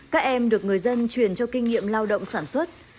các em được người dân truyền cho kinh nghiệm lao động sản xuất